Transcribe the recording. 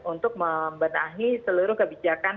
untuk membenahi seluruh kebijakan